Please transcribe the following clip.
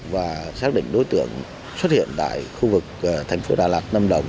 và xác định đối tượng xuất hiện tại khu vực thành phố đà lạt lâm đồng